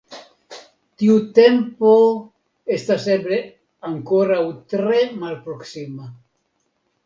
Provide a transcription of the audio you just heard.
Tiu tempo estas eble ankoraŭ tre malproksima.